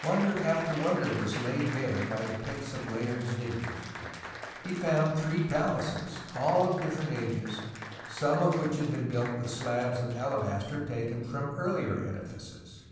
Wonder after wonder was laid bare by the picks of Layard's diggers. He found three palaces, all of different ages, some of which had been built with slabs of alabaster taken from earlier edifices.